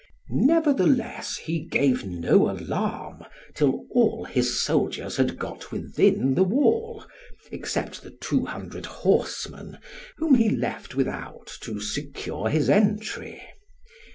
Nevertheless, he gave no alarm till all his soldiers had got within the wall, except the two hundred horsemen, whom he left without to secure his entry.